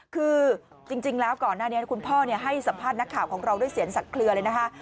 คือจริงแล้วก่อนหน้านี้คุณพ่อให้สัมภาษณ์นักข่าวของเราด้วยเสียงสัตว์เคลือเลยนะคะ